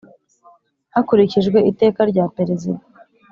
Hakurikijwe Iteka rya Perezida